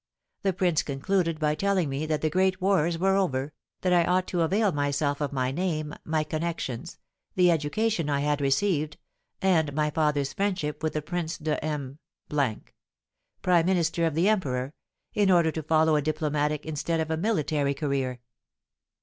The prince concluded by telling me that the great wars were over, that I ought to avail myself of my name, my connections, the education I had received, and my father's friendship with the Prince de M , prime minister of the emperor, in order to follow a diplomatic instead of a military career.